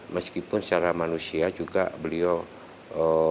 meskipun secara manusia juga beliau waktu itu